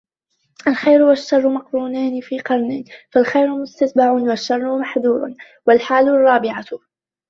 الْخَيْرُ وَالشَّرُّ مَقْرُونَانِ فِي قَرْنٍ فَالْخَيْرُ مُسْتَتْبَعٌ وَالشَّرُّ مَحْذُورُ وَالْحَالُ الرَّابِعَةُ